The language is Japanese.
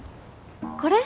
これ？